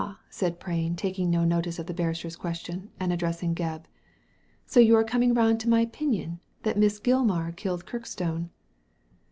said Prain, taking no notice of the barrister's question, and addressing Gebb, "so you are coming round to my opinion — that Miss Gilmar killed Ku kstonc."